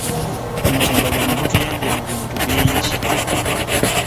Omutimbagano gutuyambye mu bintu bingi.